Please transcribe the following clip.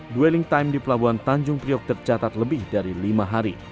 dwelling time di pelabuhan tanjung priok tercatat lebih dari lima hari